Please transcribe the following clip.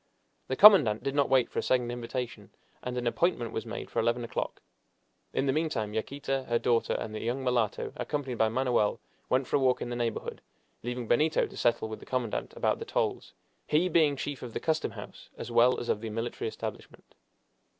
The commandant did not wait for a second invitation, and an appointment was made for eleven o'clock. In the meantime Yaquita, her daughter, and the young mulatto, accompanied by Manoel, went for a walk in the neighborhood, leaving Benito to settle with the commandant about the tolls he being chief of the custom house as well as of the military establishment.